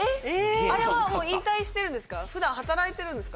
あれはもう引退してるんですか？